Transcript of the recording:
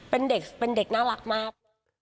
เป็นเด็กน่าวรักมาก